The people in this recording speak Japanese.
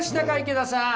池田さん。